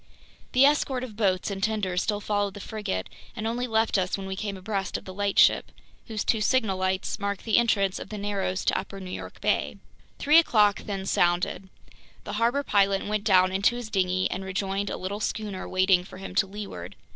The escort of boats and tenders still followed the frigate and only left us when we came abreast of the lightship, whose two signal lights mark the entrance of the narrows to Upper New York Bay. Three o'clock then sounded. The harbor pilot went down into his dinghy and rejoined a little schooner waiting for him to leeward.